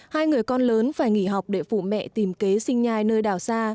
hai người con lớn phải nghỉ học để phủ mẹ tìm kế sinh nhai nơi đảo xa